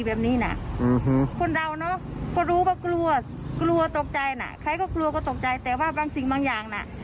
สงสัยแต่ว่าบางสิ่งบางอย่างนะ